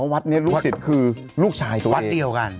อ๋อวัดเนี่ยลูกศิษย์คือลูกชายตัวเอง